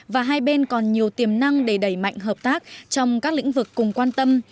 và hai bên còn nhiều tiềm năng để đẩy mạnh hợp tác trong các lĩnh vực cùng quan tâm